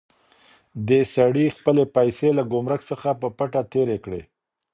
دې سړي خپلې پیسې له ګمرک څخه په پټه تېرې کړې.